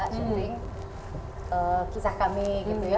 syuting kisah kami gitu ya